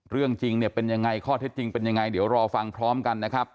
เรื่องจริงเนี่ยเป็นยังไงข้อเท็จจริงเป็นยังไงเดี๋ยวรอฟังพร้อมกันนะครับ